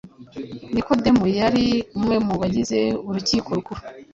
Nikodemu yari umwe mu bagize urukiko rukuru